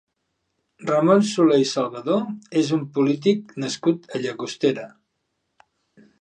Ramon Soler i Salvadó és un polític nascut a Llagostera.